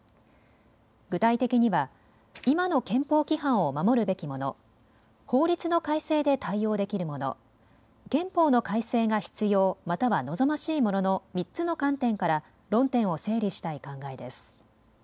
具体的には今の憲法規範を守るべきもの、法律の改正で対応できるもの、憲法の改正が必要、または望ましいものの３つの観点から論点を整理したい考えです。